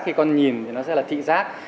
khi con nhìn thì nó sẽ là thị giác